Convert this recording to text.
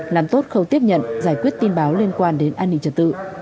làm tốt khâu tiếp nhận giải quyết tin báo liên quan đến an ninh trật tự